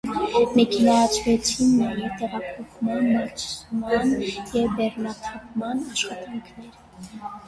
Մեքենայացվեցին նաև տեղափոխման, բարձման և բեռնաթափման աշխատանքները։